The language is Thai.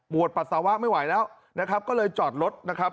ปวดปัสสาวะไม่ไหวแล้วนะครับก็เลยจอดรถนะครับ